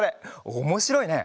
おもしろいね。